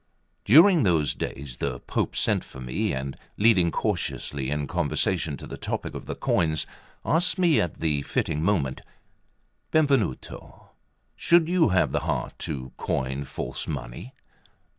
During those days the Pope sent for me, and leading cautiously in conversation to the topic of the coins, asked me at the fitting moment: "Benvenuto, should you have the heart to coin false money?"